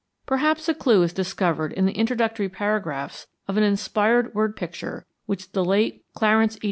Perhaps a clew is discovered in the introductory paragraphs of an inspired word picture which the late Clarence E.